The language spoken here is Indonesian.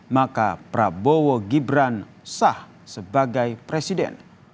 maka prabowo gibran sah sebagai presiden